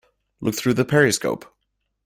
Look through the periscope.